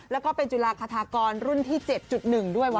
แล้วก็เป็นจุฬาคทากรรุ่นที่๗๑ด้วย